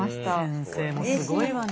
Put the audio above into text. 先生もすごいわね。